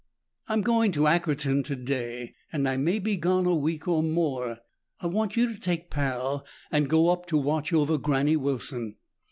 "I'm going to Ackerton today and I may be gone a week or more. I want you to take Pal and go up to watch over Granny Wilson."